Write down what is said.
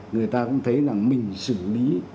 người ta cũng thấy rằng mình xử lý